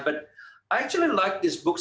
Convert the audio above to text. tapi saya sebenarnya suka buku ini